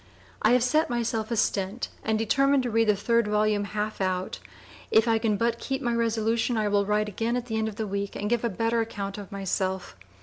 I have Set myself a Stent and determine to read the 3d volume Half out. If I can but (p. 004) keep my resolution I will write again at the end of the week and give a better account of myself.